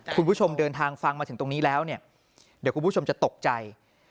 คุณผู้ชมเดินทางฟังมาถึงตรงนี้แล้วเนี่ยเดี๋ยวคุณผู้ชมจะตกใจ